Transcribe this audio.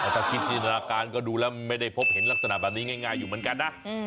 ถ้าคิดจินตนาการก็ดูแล้วไม่ได้พบเห็นลักษณะแบบนี้ง่ายอยู่เหมือนกันนะ